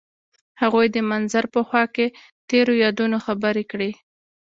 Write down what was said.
هغوی د منظر په خوا کې تیرو یادونو خبرې کړې.